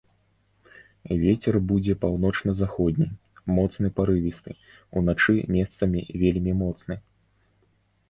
Вецер будзе паўночна-заходні, моцны парывісты, уначы месцамі вельмі моцны.